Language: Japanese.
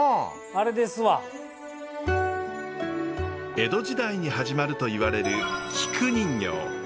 江戸時代に始まるといわれる菊人形。